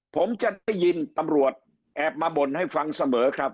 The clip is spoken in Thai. ผมจะได้ยินตำรวจแอบมาบ่นให้ฟังเสมอครับ